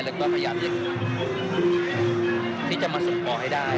แล้วก็พยายามที่จะมาสู่ปอให้ได้